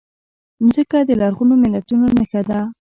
مځکه د لرغونو ملتونو نښه ده.